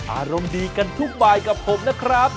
อารมณ์ดีกันทุกบายกับผมนะครับ